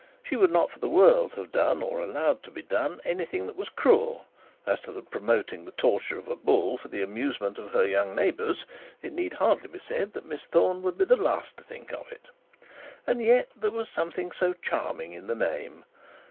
She would not for the world have done, or allowed to be done, anything that was cruel; as to the promoting the torture of a bull for the amusement of her young neighbours, it need hardly be said that Miss Thorne would be the last to think of it. And yet, there was something so charming in the name.